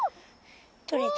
とれた。